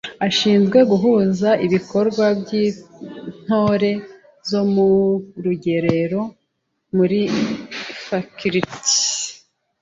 Ishinzwe guhuza ibikorwa by’Intore zo ku rugerero muri faculty